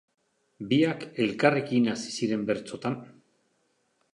Biak elkarrekin hasi ziren bertsotan.